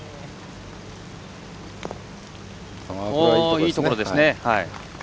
いいところですね。